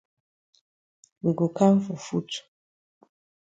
We go kam for foot.